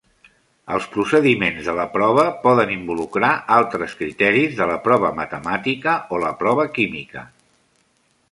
Els procediments de la prova poden involucrar altres criteris de la prova matemàtica o la prova química.